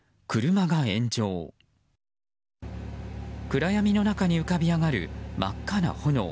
暗闇の中に浮かび上がる真っ赤な炎。